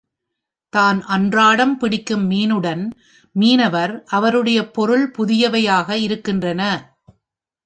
தான் அன்றாடம் பிடிக்கும் மீனுடன் மீனவர், அவருடைய பொருள் புதியவையாக இருக்கின்றன.